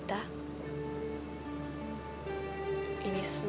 penyengang re fdp kamu